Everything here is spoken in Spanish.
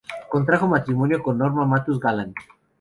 Contrajo matrimonio con Norma Matus Galland.